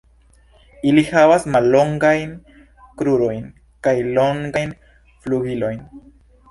Ili havas mallongajn krurojn kaj longajn flugilojn.